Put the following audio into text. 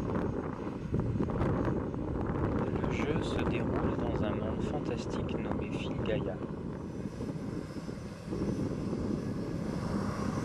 Le jeu se déroule dans un monde fantastique nommé Filgaia.